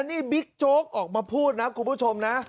นี่บิ๊กโจ๊กออกมาพูดนะคุณผู้ชมนะ